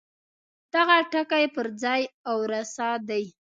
دغه ټکی پر ځای او رسا دی.